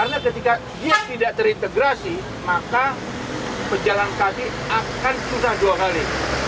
karena ketika dia tidak terintegrasi maka pejalan kaki akan susah dua kali